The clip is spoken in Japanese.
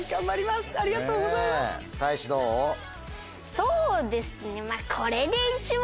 そうですね。